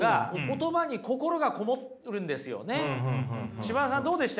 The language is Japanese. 嶋田さんどうでした？